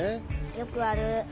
よくある。